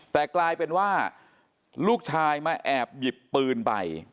แต่กลายเป็นว่าลูกชายมาแอบหยิบปืนไป